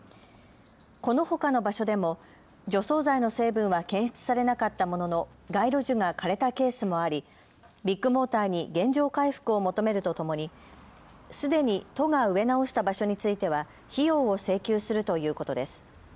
このほかの場所でも除草剤の成分は検出されなかったものの街路樹が枯れたケースもありビッグモーターに原状回復を求めるとともにすでに都が植え直した場所については費用を請求するということです。